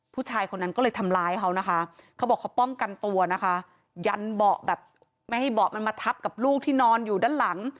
ผู้ชายคนนั้นก็เลยทำร้ายเขานะคะเขาบอกเขาป้องกันตัวนะคะยันเบาะแบบไม่ให้เบาะมันมาทับกับลูกที่นอนอยู่ด้านหลัง